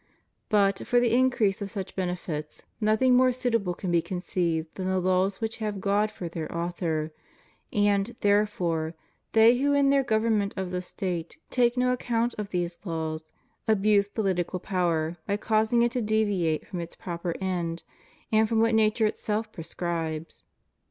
But, for the increase of such benefits, nothing more suitable can be conceived than the laws which have God for their author; and, there fore, they who in their government of the State take no account of these laws, abuse political power by causing it to deviate from its proper end and from what nature itself prescribes.